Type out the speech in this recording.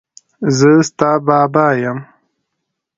زه ستا بابا یم.